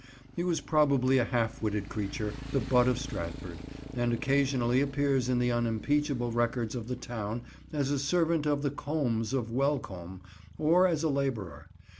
He was probably a half witted creature, the butt of Stratford, and occasionally appears in the unimpeachable records of the town as a servant of the Combes of Welcombe, or as a labourer.